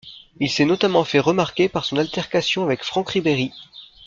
Il s'est notamment fait remarquer par son altercation avec Franck Ribéry.